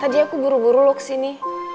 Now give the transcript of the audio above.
tadi aku buru buru lo kesini